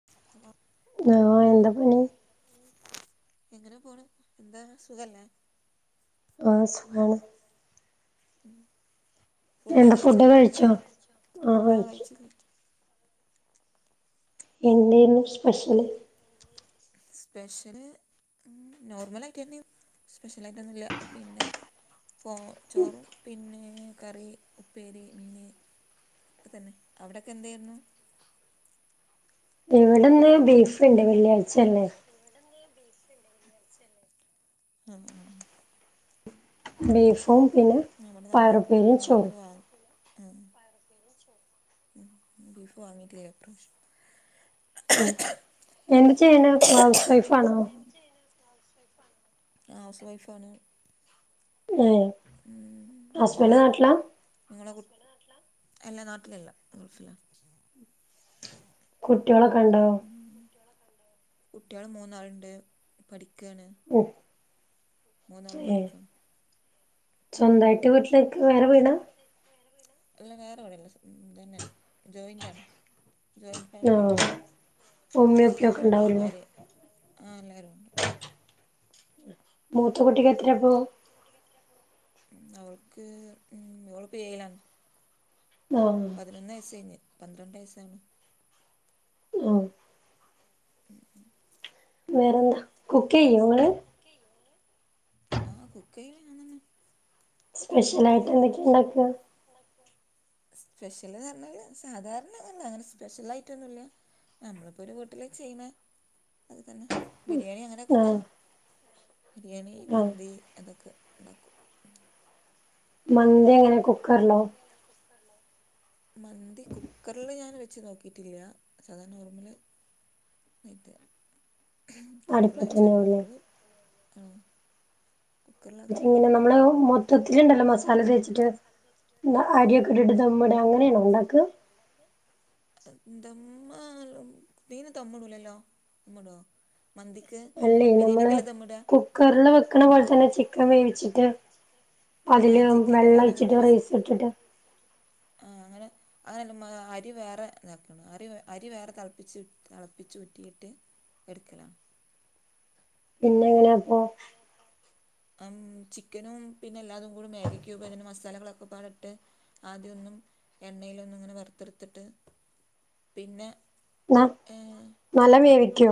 [inaudible] ആ എന്താ പണി? എങ്ങനെ പോണ്? എന്താണ് സുഖല്ലേ? പാസ് [unintelligible] ഉം [inaudible] എന്താ ഫുഡ് കഴിച്ചോ? ആഹ് കഴിച്ചു. എന്തേന്നു സ്പെഷ്യല്? സ്പെഷ്യല് നോർമലായിട്ടെന്നെ സ്പെഷ്യലായിട്ടൊന്നുല്ല. പിന്നെ പോ... ചോറും പിന്നെ കറി, ഉപ്പേരി, മീന് അതന്നെ. അവടെക്കെന്തേര്ന്നു? ഇവടെന്ന് ബീഫ്ണ്ട്. വെള്ളിആഴ്ച്ചല്ലെ ഇവടന്ന് ബീഫ്ണ്ട്. വെള്ള്യ- ആഹ് ബീഫും പിന്നെ? ഇന്ന് ഇവടന്നങ്ങ് പയറുപ്പേരിയും ചോറും ബീഫ് വാങ്ങി. മ് ബീഫ് വാങ്ങീട്ടില്ല ഇപ്രാവശ്യം. ഉം. എന്താ ചെയ്യ്ണെ ഹൗസ് വൈഫാണോ?? ന്താചെയ്യ്ണെ? ആഹ് ഹൗസ് വൈഫാണ്. അതെ മ് നിങ്ങളോ? നിങ്ങളെ കു അല്ല നാട്ടിലല്ല ഗൾഫിലാ. കുട്ടികളൊക്കെ ഉണ്ടോ ആഹ് മ് കുട്ട്യാളൊക്കെണ്ടോ? കുട്ട്യാള് മൂന്നാള്ണ്ട് പഠിക്കാണ്. ഓഹ് മൂന്നാളും ഏഹ് പഠിക്കാണ് സൊന്തായിട്ട് വീട്ടില്ക്കന് വേറെ വീടാ? അല്ല വേറെവീടല്ല. സ്വന്തംതന്നേണ്, ജോയിന്റാണ്. ജോയിന്റ് ഫാമില്യണ്. ആഹ് ഉമ്മയും ഉപ്പയും ഒക്കെ ഹസ്ബന്റ് ഉണ്ടാവൂല്ലേ അനിയമ്മാര്, ആഹ് എല്ലാരൂണ്ട്. മൂത്തകുട്ടിക്കെത്രെയപ്പൊ? അവൾക്ക് അവള്പ്പോ ഏഴിലാണ്. ആഹ് പതിനൊന്ന് വയസ്സ് കഴിഞ് പന്ത്രണ്ട് വയസ്സാവ്ണ് ആഹ് [inaudible] വേറെന്താ കുക്കിയ്യോ ങ്ങള്. ആ കുക്കിയല് ഞാൻ തന്നെ. സ്പെഷ്യൽ ആയിട്ട് എന്തൊക്കെണ്ടാക്ക. സ്പെഷ്യല് നറഞ്ഞാല് സാധാരണതന്നെ അങ്ങനെ സ്പെഷ്യൽ ആയിട്ടൊന്നുല്ല. നമ്മളിപ്പോ ഒരു വീട്ടില് ചെയ്ണ അത് തന്നെ ബിരിയാണി അങ്ങനെക്കെ ആഹ് വെക്കും. ബിരിയാണി ആഹ് മന്തി അതൊക്കെ ഉണ്ടാക്കും. മന്തി എങ്ങനെ കു. മന്തി എങ്ങനെ കുക്കറിലോ മന്തി കുക്കറില് ഞാൻ വെച്ച് നോക്കിട്ടില്ല. സാധാ നോർമല് ആയിട്ട്. കുക്കറില് വെച്ചോക്കി അടുപ്പത്തന്നെയാവുല്ലേ കുക്കറില് ആ. കുക്കറിലാക്കിയിട്ടില്ല എങ്ങനെ നമ്മള് മൊത്തത്തില്ണ്ടല്ലോ മസാല തേച്ചിട്ട്. ങ്ങള് ആര്യൊക്കെ ഇട്ടിട്ട് ദമ്മ്ട് അങ്ങനെയാണോ ഉണ്ടാക്ക. ദമ്മ് ധിന്ന് ദമ്ടൂല്ലല്ലോ ദമ്ടോ. മന്തിക്ക്. അല്ലേ നമ്മള് ദമ്മിടുക കുക്കറില് വെക്ക്ണ പോലെ തന്നെ ചിക്കൻ വേവിച്ചിട്ട്. ആ അതില് വെള്ളാഴിച്ചിട്ട് റൈസ്ട്ടിട്ട്. ആഹ് അങ്ങനെ. അങ്ങനെല്ലുമ്മ അരി വേറെ അരി വേറെ തളപ്പിച്ച് തളപ്പിച്ച് ഊറ്റിയിട്ട്. എട്ക്കലാ- പിന്നെങ്ങനെയപ്പൊ. അമ് ചിക്കനും പിന്നെ എല്ലാതും കൂടെ മാഗിക്യൂപ് അതിന്റെ മസാലകളൊക്കെപാട് ട്ട്. ആദ്യമൊന്നും എണ്ണയിലൊന്ന് ഇങ്ങനെ വറുത്തെടുത്തിട്ട് പിന്നെ. ന ഏ, നല്ല വേവിക്കോ.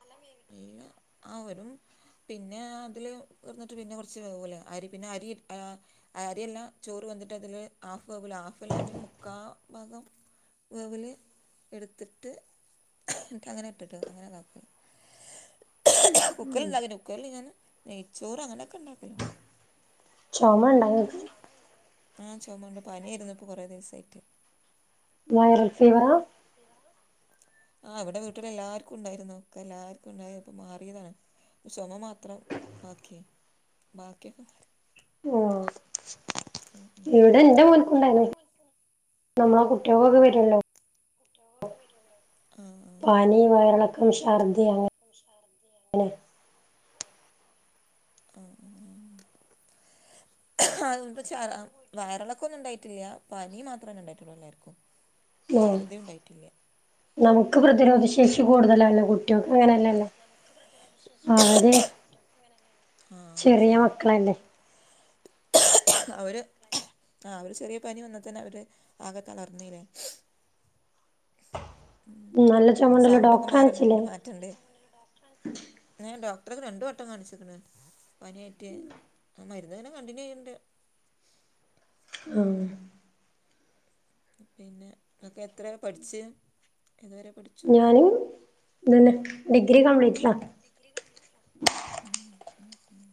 നല്ലോ വേവിക്കോ അവരും. പിന്നെ അതില് കടന്നിട്ട് പിന്നെ കുറച്ച് വേവൂലെ അരി പിന്നെ അരി ആഹ്. അരിയല്ലാ ചോറ് വെന്തിട്ട് അതില് ഹാഫ് വേവ് ലേ ഹാഫല്ലാ ഒരു മുക്കാ ഭാഗം. വേവില് എടുത്തിട്ട് ന്നിട്ട് അങ്ങനെ ഇട്ടിട്ട് അങ്ങനെ കാക്കും. കുക്കറില്ണ്ടാക്കീട്ടില്ല കുക്കറിൽ ഞാന് നെയ്ച്ചോറ് അങ്ങനെയൊക്കെ ഉണ്ടാക്കലുണ്ട്. ചൊമണ്ടോ ഇങ്ങക്ക്. ആഹ് ചൊമണ്ട് പനിആയിരുന്നു ഇപ്പോ കൊറെ ദിവസായിട്ട്. വയറൽ- വൈറൽ ഫീവറാ- ആഹ് ഇവിടെ വീട്ടിൽ എല്ലാർക്കുണ്ടായിരുന്നു എല്ലാർക് ണ്ടായി ഇപ്പൊ മാറിയതാണ്. ചൊമ മാത്രം ബാക്കി ബാക്കിയൊക്കെ മാറി. ഓഹ് ഉം ഉം - ഇവിടെ ഇന്റെ മോൻക്കുണ്ടായിനു നമ്മളെ കുട്ടികൾക്കൊക്കെ വരുല്ലോ. രോഗക്കെ വരുല്ലോ. പനി വയറിളക്കം ശർദി അങ്ങനെ. ശർദ്ദി അങ്ങനെ. ആഹ് ആഹ്- ആഹ് വയറിളക്കന്നും ഉണ്ടായിട്ടില്ല പനി മാത്രന്നേണ്ടായിട്ടുള്ളൂ എല്ലാർക്കും. ഉം ചർദ്ദി ഉണ്ടായിട്ടില്ല. നമുക്ക് പ്രതിരോധശേ ശേഷി കൂടുതലല്ലേ കുട്ട്യേൾക്ക് അങ്ങനെല്ലല്ലോ അവര്. ആഹ് ചെറിയ ശരിയാണ് മക്കളല്ലേ. [inaudible] അവര് ആഹ് അവര് ചെറിയ പനി വന്നാ തന്നെഅവര് ആക തളർന്നില്ലേ? നല്ല ഉം ചുമണ്ടല്ലോ ഡോക്ടറെ സൗണ്ടൊക്കെമാറാൻ കാണിച്ചില്ലേ ഒര് മാറ്റണ്ട്. ഞാൻഡോക്ടറെക്ക് രണ്ട് വെട്ടം കാണിച്ചിക്ക്ണ്. പനിയായ്റ്റ് ആഹ് മരുന്ന്ങ്ങനെ കണ്ടിന്യൂചെയ്യ്ണ്ട്. ആഹ്. പിന്നെഇങ്ങക് എത്രരെപഠിച്ച്, എതുവരെ ഞാനും ഇതെന്നെ ഡിഗ്രികംപ്ലീറ്റല്ല - ഡിഗ്രീ കംപ്ലീറ്റല്ല മ്ഹ്-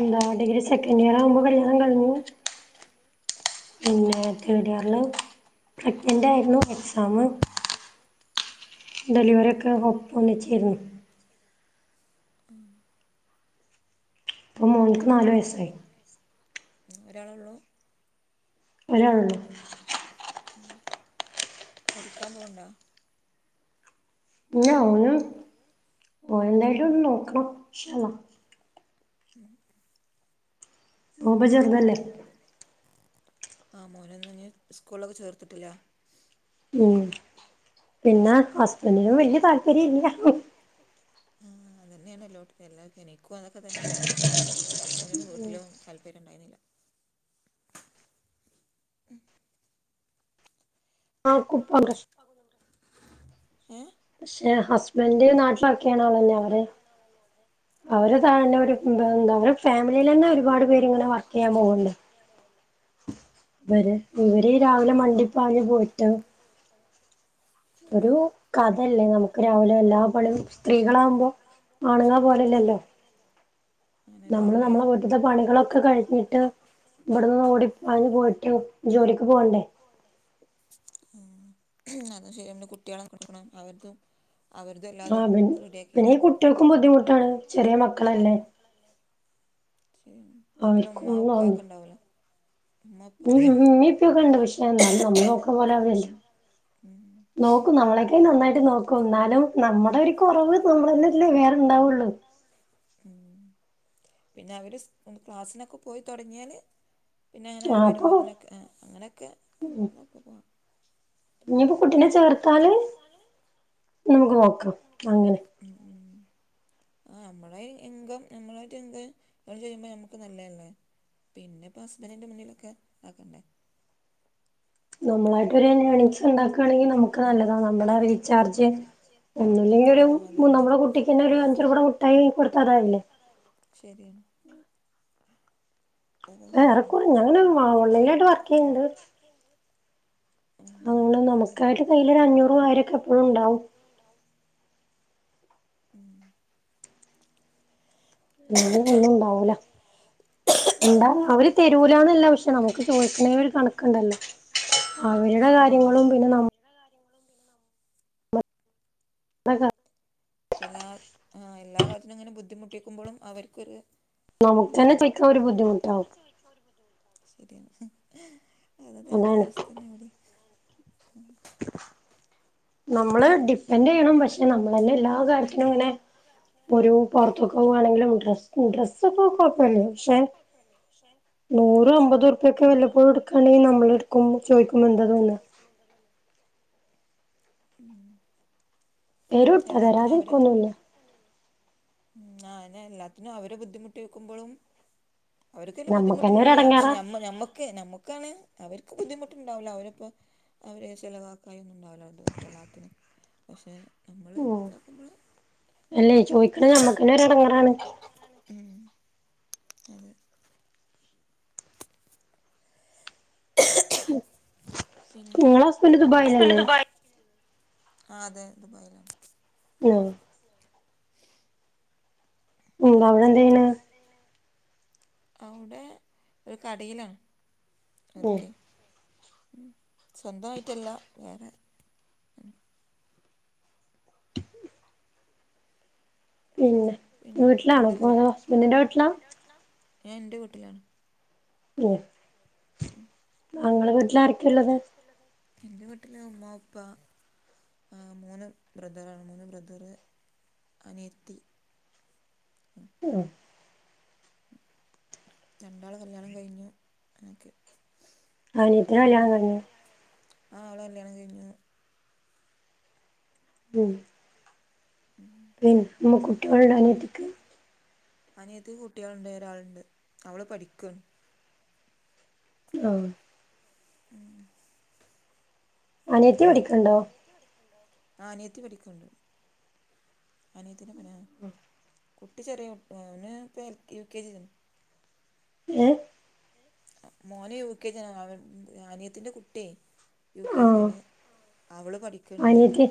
എന്താ ഡിഗ്രി സെക്കന്റിയറാവുമ്പോകല്യാണം, കഴിഞ്ഞു. പിന്നെ തേടിയറില് പ്രഗ്നന്റ് ആയിരുന്നു- അന്ന് ടെലിവറിക്കെ [inaudible] ആഹ്. ഇപ്പൊ മോൻക്ക് നാല് വയസ്സായി ഒരാളൊള്ളൂ? ഒരാളൊള്ളൂ. ഉം പഠിക്കാൻപോവ്ണ്ട ഞ്ഓനുംഓനന്തായാലുംഒന്ന് നോക്കണംഇന്ശാല്ലാഹ്‌ ഉം. ഓൻപ്പചെറുതല്ലേ. ആഹ് മോനന്നസ്കൂളൊക്കെ ചേർത്തിട്ടില്ല ഉം പിന്നെ ഹസ്ബന്റിനുംവല്യ താല്പര്യ ഇല്ല ആഹ്അതന്നെയാണല്ലോട് എല്ലാ ഇനിക്കും അതൊക്കെതന്നേയ്ന്നും ഹസ്ബൻഡ്ന്റെ വീട്ടിലും [unintelligible] ണ്ടായ്ഞ്ഞീല ആഹ്കുപ്പ [unintelligible] ഏഹ് പക്ഷെഹസ്ബന്റനാട്ടില് വർക്കെയ്യണ ആളന്നെഅവര് അവര്താഴന്നെഒരുന്താഎന്താ അവരെ ഫാമിലിയിലെന്നെഒരുപാട്പേര്ങ്ങനെ വർക്കെയ്യാൻപോവ്ണ്ട് ഇവരെ ആ ഇവര് രാവിലെമണ്ടിപ്പാഞ് പോയിട്ട് [inaudible] ഒരു കഥല്ലേനമുക്ക് രാവിലെഎല്ലാ പണിംസ്ത്രീകളാവുമ്പോ ശരിയാണ് അങ്ങനെ രാവിലെ നമ്മള്നമ്മളെവീട്ടിത്തെ പണികളൊക്കെകഴിഞ്ഞിട്ട് ഇവിടന്ന്ഓടി പാഞ്പോയിട്ടും ജോലിക്ക്പോണ്ടേ [unintelligible] [unintelligible] [unintelligible] [unintelligible] അവര്തും എല്ലാതും റെഡിയാക്കി ആഹ്പിപിന്നെഈകുട്ടിയാൾക്കും ബുദ്ധിമുട്ടാണ്ചെറിയമക്കളല്ലേ? ഉം വീട്ടില്ഉമ്മാഉപ്പാ അവർക്കും ക്കെ ഉണ്ടാവുലേ? ഉം മ്മ്ഇമ്മെ ഇപ്പൊക്കെണ്ട്പക്ഷെ എന്നാലും നമ്മൾ നോക്ക്ണപോലെ ആ - ഉം. നോക്കുംനമ്മളെക്കെനന്നായിട്ട് നോക്കൂഎന്നാലുംനമ്മുടെഒരു കൊറവ് നമ്മടെന്നെല്ലേവേറെഉണ്ടാവുള്ളു. ഉംപിന്നെഅവര്സ്ക്ലാസ്സിനൊക്കെ പോയിതൊടങ്ങിയാല് പിന്നെഅങ്ങനെഅവർ വരുമ്പോത്തനൊക്കെഎഏഹ് അങ്ങനെക്കെ ഉം, [unintelligible] കുട്ടിനെചേർത്താല് നമുക്ക് നോക്കാംഅങ്ങനെ ഉം, ഉം. ആഹ് നമ്മളെ എം ഇൻകം നമ്മളായിട്ട്എഇങ്ങചെയ്യുമ്പോ നമ്മക്ക്നല്ലല്ലേ പിന്നെപ്പ ഹസ്ബന്റിന്റെ മുന്നിലൊക്കെആക്കണ്ടേ? നമ്മളായിട്ട്ഒരുഏർണിങ്സ് ണ്ടാക്കയാണെങ്കി നമുക്ക്നല്ലതാണ് നമ്മുടെറീചാർജ് ഒന്നല്ലെങ്കി ആ അതന്നെ ഒരുനമ്മുടെകുട്ടിക്ക് തന്നെ ഒരു അഞ്ച് രൂപെടെമുട്ടായി വാ ങ്ങികൊടുത്താതാവില്ലേ? ശരിയാണ്. അതാ വേറെ ശരിയെന്നെ കുറെ ഞാനും ഓൺലൈനിലായിട്ട് വർക്ക് ചെയ്യുന്നുണ്ട് [unintelligible] ഉം അതുകൊണ്ട് നമുക്കായിട്ട് കയ്യിൽ അഞ്ഞൂറും ആയിരം ഒക്കെ എപ്പോഴും ഉണ്ടാവും. [unintelligible] ഉം. ഇല്ലങ്കിൽ ഒന്നും ഉണ്ടാവൂല. ഇണ്ടാ അവര് തരൂലാന്നല്ല പക്ഷെ നമുക്ക് ചോദിക്ക്ണതിന്ന് ഒരു കണക്ക് ണ്ടല്ലോ? അവരുടെ ശരിയാണ് കാര്യങ്ങളും പിന്നെ നമ്മ കാര്യ പക്ഷെ എല്ലാ എല്ലാ കാര്യാത്തിനും ഇങ്ങനെ ബുദ്ധിമുട്ടിക്കുമ്പോഴും അവർക്കൊരു. നമുക്ക് തന്നെ ഉണ്ടാവൂലെ ചോദിക്കാൻ ഒരു നമുക്കന്നെ ബുദ്ധിമുട്ടാവും ചോയിക്കാൻ ഒര് ബുദ്ധിമുട്ടാണ് ശരിയാണ്. അതന്നെ അതെ അതാണ് അവസ്ഥ തന്നെ ഇവിടിം ഉം നമ്മള് ഡിം. എന്റെ ചെയ്യണം പക്ഷെ നമ്മളെന്നേ എല്ലാ കാര്യത്തിനും ഇങ്ങനെ ഒരു പുറത്തക്ക് പോവാണെങ്കിലും ഡ്രസ് ഡ്രസ്സ് ഒക്കെ കൊയപ്പം ഇല്ല പക്ഷെ. പക്ഷെ. നൂറ് അമ്പത് ഉർപൊക്കെ വല്ലപ്പോഴും എടുക്കാണെങ്കിൽ നമ്മൾ എടുക്കും ചോദിക്കുമ്പോ എന്ത തോന്ന. ഉം തരൂട്ടോ എല്ലാത്തിനും അവര തരാതിരിക്കൊന്നുല്ല അന്നെ എല്ലാത്തിനും അവരെ ബുദ്ധിമുട്ടിക്കുമ്പോളും അവർക്ക് പിന്നെ നമ്മക്കന്നെ ഒരു ബുദ്ധിമുട്ടില്ല പക്ഷെ എടങ്ങേറാ നമ്മമ്മ ക്ക് നമുക്കാണ് അവർക്ക് ബുദ്ധിമുട്ടുണ്ടാവൂല്ല അവര്പ്പോ. അവരെ ചെലവാക്കായി ഒന്നും ഉണ്ടാവില്ല അത് ക്കെല്ലാത്തിനും പക്ഷെ നമ്മള് ഉം നോക്കുമ്പോള് അല്ലേ ചോദിക്കണ ഞമ്മക്കന്നെ ഒരു എടങ്ങേറാണ് ഉം അതെ പിന്നെ നിങ്ങളെ ഹസ്ബൻഡ് ദുബായിലല്ലേ ആഹ് അതെ ദുബായിലാണ്. ഉം. ഉം അവിടെ എന്ത് ചെയ്യണ് അവിടെ എന്തയ് ണ് അവ്ടെ ഒരു കടയിലാണ് ഉം വർക്ക്. ഉം സ്വന്തയിട്ടല്ല വേറെ. പിന്നെ പിന്നെ ഇവിടെ വീട്ടിലാണോപ്പ ഹസ്ബൻഡിന്റെ വീട്ടില. ഞാ എന്റെ വീട്ടിലാണ്. ഓഫ് എന്റെ വീട്ടില് ഉമ്മ അപ്പ. ആഹ് മൂന്ന് ബ്രദറാണ് മൂന്ന് ബ്രദറ് അനിയത്തി. ഉം. രണ്ടാള് കല്ലാണം കഴിഞ്ഞു ഞാക്ക്. അനിയത്തിന്റെ കല്ല്യാണം കഴിഞ്ഞോ? ആഹ് അവളെ കല്ല്യാണം കഴിഞ്ഞു. ഉം പിന്നെ നമ്മ കുട്ടികള് ഉണ്ടോ അനിയത്തിക്ക്. അനിയത്തിക്ക് കുട്ടിയൾ ഉണ്ട് ഒരാളുണ്ട് അവള് പഠിക്കാണ് ആഹ് ഉം അനിയത്തി പഠിക്ക്ണ്ടോ? ആ അനിയത്തി പഠിക്കണ്ട് അനിയത്തിന്റെ പ കുട്ടി ചെറിയ ഓന് ഇപ്പ എ യു കെ ജി യിലാണ്. ഏഹ്. മോൻ യു കെ ജി ആണ് ആനിയത്തിന്റെ കുട്ടിയെ. യു കെ ആഹ് ജിയാണ് അവള് പഠിക്ക്ണ്ട്. അനിയത്തി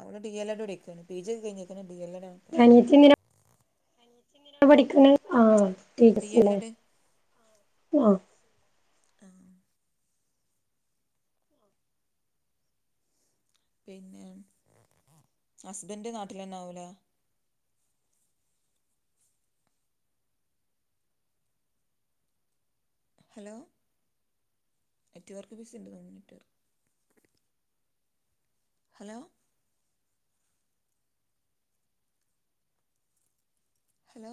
അവൽ ഡി എൽ എഡ്ടാണ് പിജി ഒക്കെ കഴിഞ്ഞ്ക്ക്ണ് ഡി എൽ എഡ് ആണ്. ഇപ്പം അനിയത്തി എന്തിനാ ന്തിനാ പഠിക്ക്‌ണെ ആ T T D C L ലെ എഡ് ആ ആ പിന്നെ ഹസ്ബൻഡ് നാട്ടിലെന്നെ ആവും ലെ ഹലോ നെറ്റ്‌വർക്ക് ബിസി ഇണ്ട് നെറ്റ് ഹലോ ഹലോ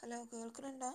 ഹലോ കേൾക്ക്‌ണ് ണ്ടൊ